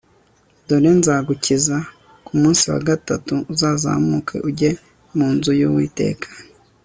dore nzagukiza, ku munsi wa gatatu uzazamuke ujye mu nzu y'uwiteka